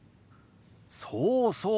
そうそう。